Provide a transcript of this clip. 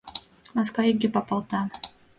Маска иге папалта.